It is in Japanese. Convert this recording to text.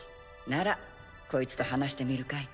ならこいつと話してみるかい？